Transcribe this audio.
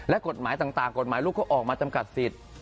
และกฎหมายต่างกฎหมายลูกก็ออกมาจำกัดสิทธิ์